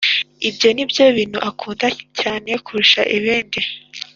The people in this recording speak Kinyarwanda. ibyo nibyo bintu akunda cyane kurusha ibindi